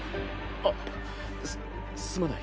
あっすすまない。